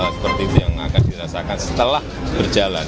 hal seperti itu yang akan dirasakan setelah berjalan